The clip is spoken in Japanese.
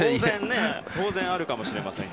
当然あるかもしれませんが。